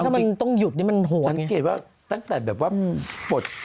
ถ้ามันต้องหยุดมันโหด